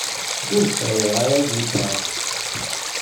Ur sɛiɣ ara agiṭar.